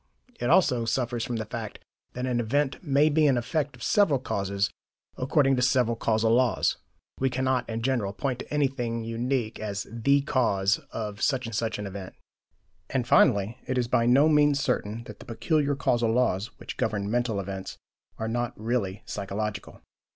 It also suffers from the fact that an event may be an effect of several causes according to several causal laws we cannot, in general, point to anything unique as THE cause of such and such an event. And finally it is by no means certain that the peculiar causal laws which govern mental events are not really physiological.